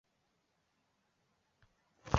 而日本国内一些人的活动也激发着这种情绪。